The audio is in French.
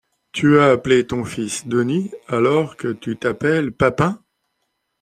Tu as appelé ton fils « Denis » alors que tu t’appelles Papin ?